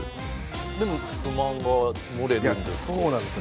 でも不満が漏れるんですか？